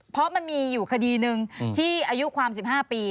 เพราะมันมีอยู่คดีหนึ่งที่อายุความ๑๕ปี